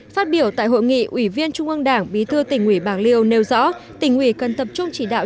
phát biểu tại hội nghị ủy viên trung ương đảng bí thư tỉnh ủy bạc liêu nêu rõ tỉnh ủy cần tập trung chỉ đạo